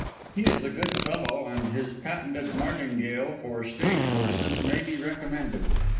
He is a good fellow, and his patented martingale for stage horses may be recommended.